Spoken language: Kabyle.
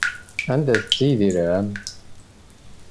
Anda tettttidirem?